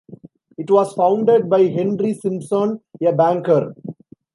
It was founded by Henry Simpson, a banker.